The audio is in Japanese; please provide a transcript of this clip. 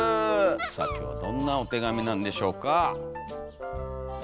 さあ今日はどんなお手紙なんでしょうかよっ！